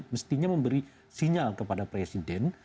mestinya memberi sinyal kepada presiden